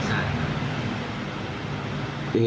ใช่